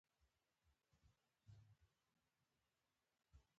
بچيه په شرع کې څه شرم.